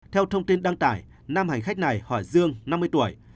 theo thông tin đăng tải năm hành khách này hỏi dương năm mươi tuổi